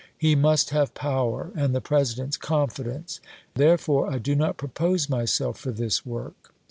He must have power and the President's confidence — therefore I do not propose myself for this work.